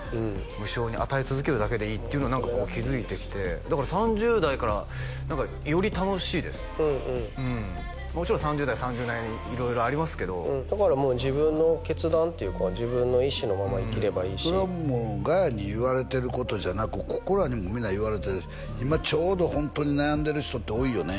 無償に与え続けるだけでいいっていうのは何か気づいてきてだから３０代から何かより楽しいですうんうんうんもちろん３０代は３０代なりに色々ありますけどだから自分の決断っていうか自分の意思のまま生きればいいしそれはもうガヤに言われてることじゃなくここらにもみんな言われてる今ちょうどホントに悩んでる人って多いよね